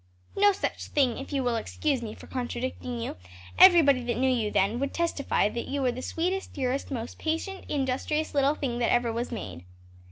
"No such thing! if you will excuse me for contradicting you everybody that knew you then, would testify that you were the sweetest, dearest, most patient, industrious little thing that ever was made."